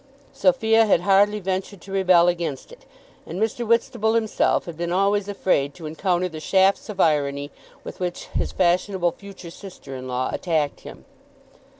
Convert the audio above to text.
Sophia had hardly ventured to rebel against it, and Mr. Whitstable himself had been always afraid to encounter the shafts of irony with which his fashionable future sister in law attacked him.